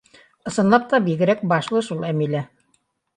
— Ысынлап та, бигерәк башлы шул Әмилә.